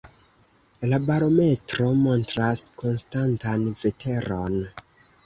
La barometro montras konstantan veteron.